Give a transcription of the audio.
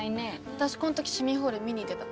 私こん時市民ホール見に行ってた。